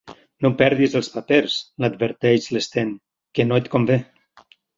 No perdis els papers —l'adverteix l'Sten—, que no et convé.